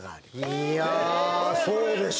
いやそうでしょ。